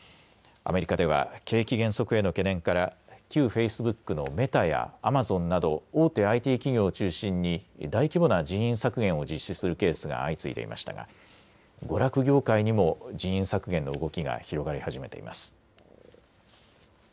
アメリカでは景気減速への懸念から旧フェイスブックのメタやアマゾンなど大手ＩＴ企業を中心に大規模な人員削減を実施するケースが相次いでいましたが娯楽業界にも人員削減の動きが広がり始めています。